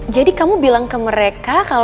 jadi kamu bilang ke mereka